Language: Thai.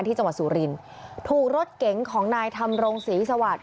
ที่จังหวัดสุรินถูกรถเก๋งของนายธรรมรงศรีสวัสดิ